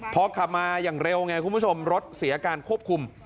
พอขับมาอย่างเร็วไงคุณผู้ชมรถเสียการควบคุม